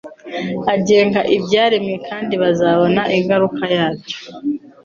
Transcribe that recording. agenga ibyaremwe kandi bazabona ingaruka yabyo.